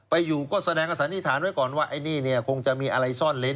ไปอยู่ก็แสดงอสานิทาณไว้ก่อนว่าครู่ที่นี่มีอะไรซ่อนเล้น